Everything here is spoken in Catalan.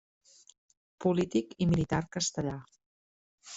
Polític i militar castellà.